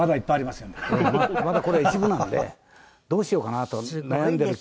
まだこれは一部なんでどうしようかなと悩んでる